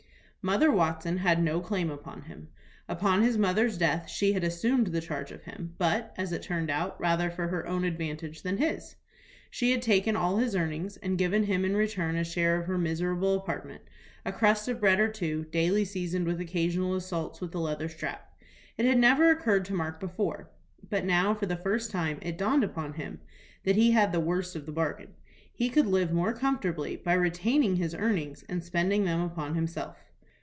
Mother Watson had no claim upon him. Upon his mother's death she had assumed the charge of him, but, as it turned out, rather for her own advantage than his. She had taken all his earnings, and given him in return a share of her miserable apartment, a crust of bread or two, daily seasoned with occasional assaults with the leather strap. It had never occurred to Mark before, but now for the first time it dawned upon him that he had the worst of the bargain. He could live more comfortably by retaining his earnings, and spending them upon himself.